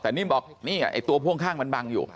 แต่นิ่มบอกนี่ไอ้ตัวพ่วงข้างมันบังอยู่